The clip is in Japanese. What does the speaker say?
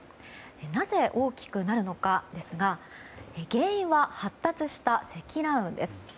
なぜ大きくなるのかですが原因は発達した積乱雲です。